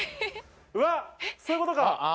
うわっそういうことか！